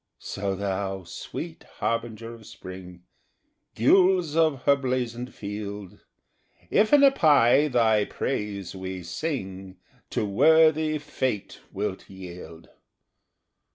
So thou, sweet harbinger of Spring, Gules of her blazon'd field, If in a pie thy praise we sing, To worthy fate wilt yield.